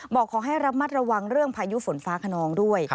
บอกขอให้ระมัดระวังเรื่องพายุฝนฟ้าขนองด้วย